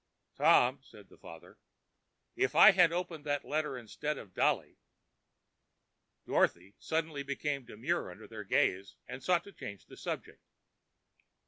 "Tom," said the father, "if I had opened that letter instead of Dolly!" Dorothy suddenly became demure under their gaze and sought to change the subject.